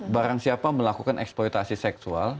barang siapa melakukan eksploitasi seksual